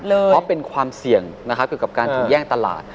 เพราะเป็นความเสยงกับการแย่งตลาด